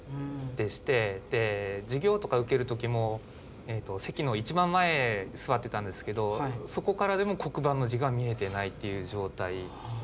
で授業とか受ける時も席の一番前座ってたんですけどそこからでも黒板の字が見えてないっていう状態。